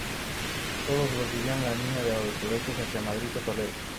Todos los días hay líneas de autobuses hacia Madrid o Toledo.